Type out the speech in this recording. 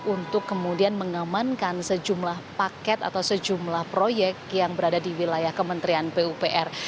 untuk kemudian mengamankan sejumlah paket atau sejumlah proyek yang berada di wilayah kementerian pupr